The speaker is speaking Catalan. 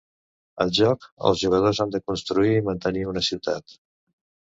Al joc, els jugadors han de construir i mantenir una ciutat.